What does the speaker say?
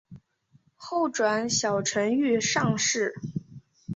后转小承御上士。